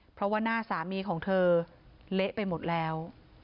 เพราะว่าหน้าสามีของเธอเละไปหมดแล้ว